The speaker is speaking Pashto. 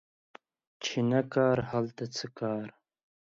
چی نه کار، هلته څه کار